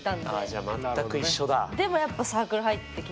あじゃあ全く一緒だ。